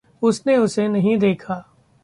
उसने उसे नहीं देखा।